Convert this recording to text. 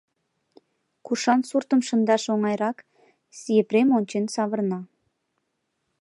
Кушан суртым шындаш оҥайрак, Епрем ончен савырна.